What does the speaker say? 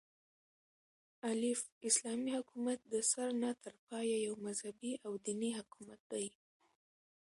الف : اسلامي حكومت دسره نه تر پايه يو مذهبي او ديني حكومت دى